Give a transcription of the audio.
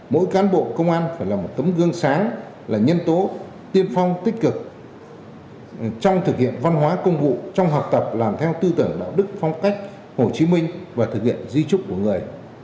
mỗi cán bộ công an phải là một tấm gương sáng là nhân tố tiên phong tích cực trong thực hiện văn hóa công vụ trong học tập làm theo tư tưởng đạo đức phong cách hồ chí minh và thực hiện di trúc của người